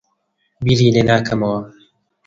بیری لێ ناکەمەوە.